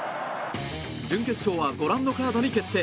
準決勝はご覧のカードに決定。